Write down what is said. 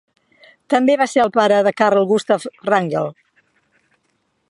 També va ser el pare de Carl Gustaf Wrangel.